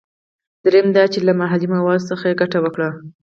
دریم دا چې له محلي موادو څخه یې ګټه وکړه.